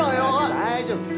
大丈夫！